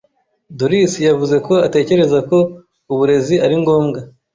Doris yavuze ko atekereza ko uburezi ari ngombwa.